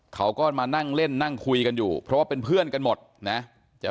เขาก็มานั่งเล่นนั่งคุยกันอยู่เพราะว่าเป็นเพื่อนกันหมดนะจะ